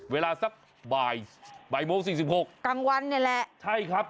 เวลาสักบ่ายบ่ายโมงสี่สิบหกกลางวันนี่แหละใช่ครับ